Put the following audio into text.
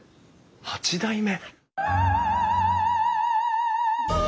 八代目！